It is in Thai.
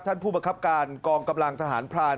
ผู้บังคับการกองกำลังทหารพราน